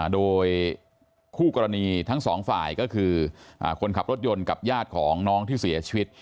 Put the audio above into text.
โดยคู่กรณีทั้งสองฝ่ายก็คือคนขับรถยนต์กับญาติของน้องที่เสียชีวิต